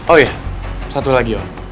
oh ya satu lagi om